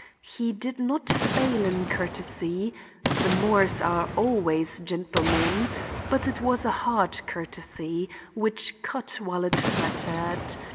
He did not fail in courtesy—the Moores are always gentlemen—but it was a hard courtesy, which cut while it flattered.